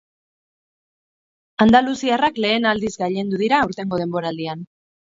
Andaluziarrak lehen aldiz gailendu dira aurtengo denboraldian.